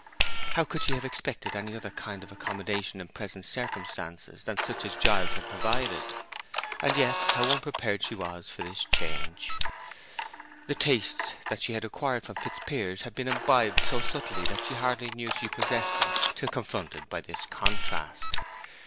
How could she have expected any other kind of accommodation in present circumstances than such as Giles had provided? And yet how unprepared she was for this change! The tastes that she had acquired from Fitzpiers had been imbibed so subtly that she hardly knew she possessed them till confronted by this contrast.